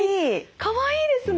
かわいいですね。